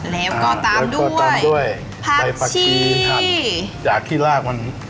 แล้วก็ตามด้วยแล้วก็ตามด้วยผักชีจากที่รากมันอ๋อ